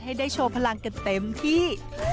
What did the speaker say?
ให้ได้โชว์พลังกันเต็มที่